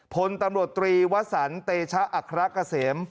พลตำรวจตรีวสันเตชะอัครกะเสม